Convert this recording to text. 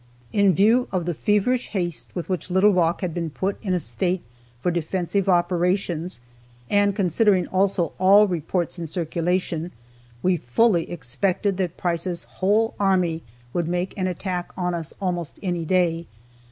In view of the feverish haste with which Little Rock had been put in a state for defensive operations, and considering also all the reports in circulation, we fully expected that Price's whole army would make an attack on us almost any day.